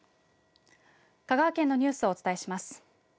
香川県のニュースをお伝えします。